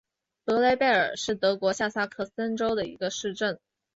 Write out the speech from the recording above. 德雷贝尔是德国下萨克森州的一个市镇。